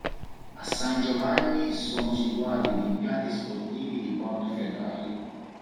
A San Giovanni sono situati gli impianti sportivi di Portoferraio.